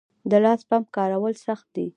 د لاس پمپ کارول سخت دي؟